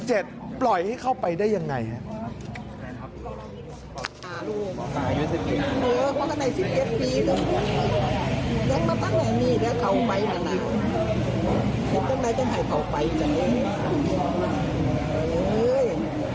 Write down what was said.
เจ็บเขาแม่เขาไปก็ได้ยังไงหลานชั้น๑๗ปีอย่างนี้เลย